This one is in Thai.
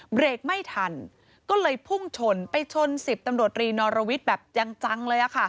เบรกไม่ทันก็เลยพุ่งชนไปชน๑๐ตำรวจรีนอรวิทย์แบบยังจังเลย